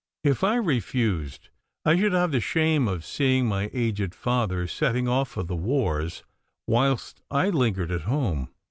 If I refused, I should have the shame of seeing my aged father setting off for the wars, whilst I lingered at home.